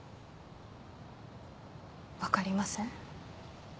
分かりません。